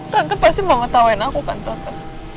tante pasti mau ngetawain aku kan tante